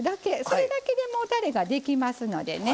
それだけでもうたれができますのでね。